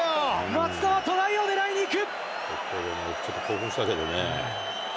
松田はトライを狙いにいく！